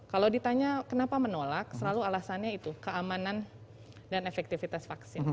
kalau ditanya kenapa menolak selalu alasannya itu keamanan dan efektivitas vaksin